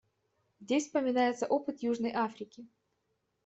Здесь вспоминается опыт Южной Африки.